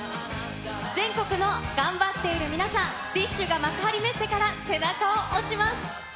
全国の頑張っている皆さん、ＤＩＳＨ／／が幕張メッセから背中を押します。